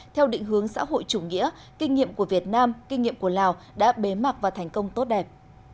theo định hướng xã hội chủ nghĩa kinh nghiệm của việt nam kinh nghiệm của lào đã bế mạc và thành công tốt đẹp